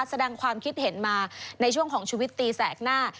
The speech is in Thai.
แสดงความคิดเห็นมาในช่วงของชุวิตตีแสกหน้า